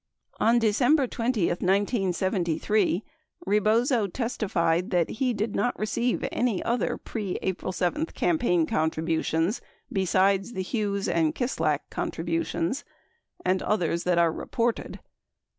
On December 20, 1973, Rebozo testified that he did not receive any other pre April 7 campaign contributions besides the Hughes and Kislak contributions and "others that are reported."